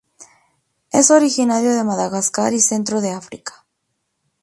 Es originario de Madagascar y centro de África.